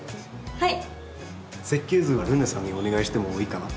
はい。